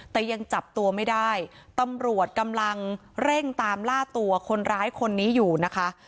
แต่ยังจับตัวไม่ได้ตำรวจกำลังเร่งตามล่าตัวคนร้ายคนนี้อยู่นะคะ